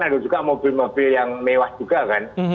ada juga mobil mobil yang mewah juga kan